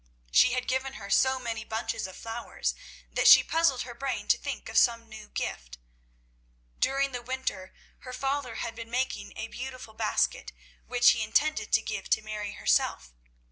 She had given her so many bunches of flowers, that she puzzled her brain to think of some new gift. During the winter her father had been making a beautiful basket, which he intended to give to Mary herself.